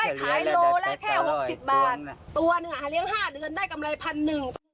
ตัวหนึ่งเลี้ยง๕เดือนได้กำไร๑๐๐๐บาท